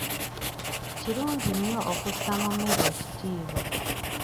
Kirungi nnyo okussa mu mmere ekitiibwa.